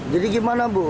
jadi gimana bu